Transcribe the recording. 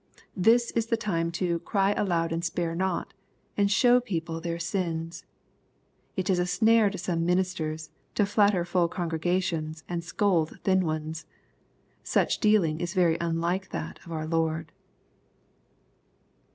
Then is the time to " cry aloud and spare not," and show people their sins. It is a snare to some ministers, to flatter full congregations and scold thin ones. Such dealing is very unlike that of our Lord.